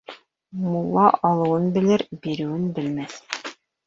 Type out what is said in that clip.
Мулла алыуын белер, биреүен белмәҫ.